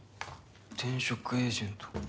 転職エージェント？